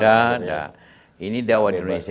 tidak ini dakwah di indonesia